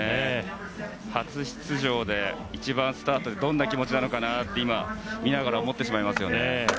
初出場で１番スタートでどんな気持ちかなと今、見ながら思ってしまいますよね。